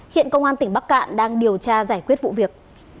hiện công an tỉnh bắc cạn đang điều tra giải quyết vụ việc